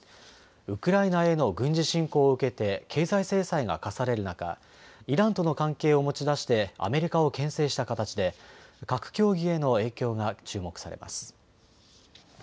ウクライナへの軍事侵攻を受けて経済制裁が科される中、イランとの関係を持ち出してアメリカをけん制した形で核協議への影響が注目されます。